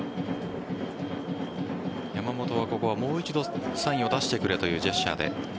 山本は、ここはもう一度サインを出してくれというジェスチャーです。